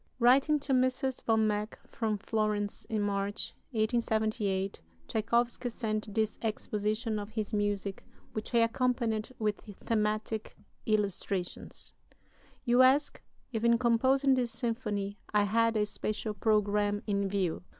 Writing to Mrs. von Meck from Florence in March, 1878, Tschaikowsky sent this exposition of his music, which he accompanied with thematic illustrations: "You ask if in composing this symphony I had a special programme in view....